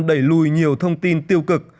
đẩy lùi nhiều thông tin tiêu cực